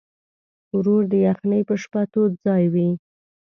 ورور د یخنۍ په شپه تود ځای وي.